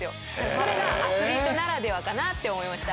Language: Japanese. それがアスリートならではかなって思いました。